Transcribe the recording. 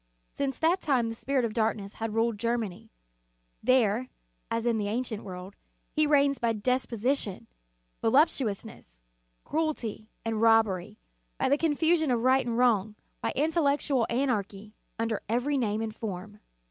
Since that time the Spirit of dark ness has ruled Germany. There, as in the ancient world, he reigns by despotism, volup tuousness, cruelty, and robbery, by the con fusion of right and wrong, by intellectual anarchy, under every name and form.